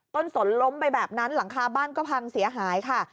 สนล้มไปแบบนั้นหลังคาบ้านก็พังเสียหายค่ะ